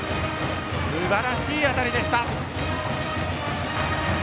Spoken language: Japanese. すばらしい当たりでした。